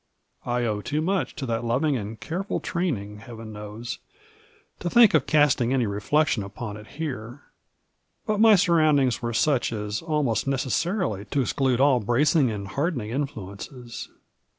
I owe too much to that loving and careful training, Heaven knows, to think of casting any reflection upon it here, but my surroundings were such 'as almost necessarily to exclude all bracing and hardening influences.